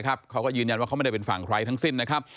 เขาก็ยืนยันว่าเขาไม่ได้เป็นฝั่งใครทั้งสิ้นนะครับ